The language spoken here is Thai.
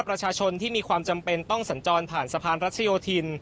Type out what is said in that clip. ประชาชนที่มีความจำเป็นต้องสัญจรผ่านสะพานรัชโยธิน